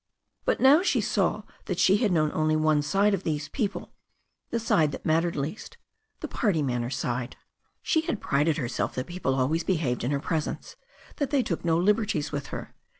But now she saw that she had known only one side of these people, the side that mattered least, the party manner side. She had prided herself that people always behaved in her presence, that they took no liberties with her.